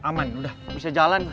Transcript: aman udah bisa jalan